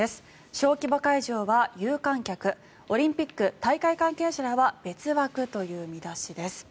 小規模会場は有観客オリンピック、大会関係者らは別枠という見出しです。